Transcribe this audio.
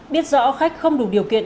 biết rõ khách không đủ điều kiện